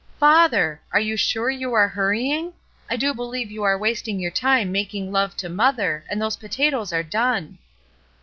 "Father! Are you Bvue you are hurrying? I do believe you are wasting your time making love to mother, and those potatoes are done!"